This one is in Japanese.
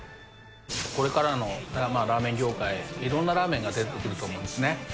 これからのラーメン業界、いろんなラーメンが出てくると思うんですね。